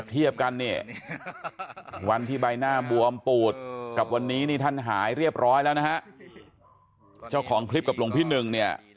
เองจะหายเรียบร้อยนะฮะเจ้าของคลิปกับหลวงพี่หนึ่ง